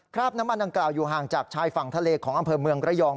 คราบน้ำมันดังกล่าวอยู่ห่างจากชายฝั่งทะเลของอำเภอเมืองระยอง